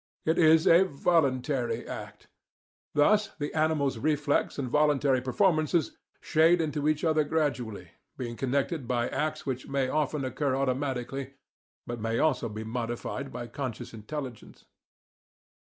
It is a 'voluntary act.' Thus the animal's reflex and voluntary performances shade into each other gradually, being connected by acts which may often occur automatically, but may also be modified by conscious intelligence.